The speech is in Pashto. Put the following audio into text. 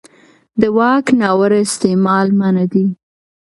د واک ناوړه استعمال منع دی.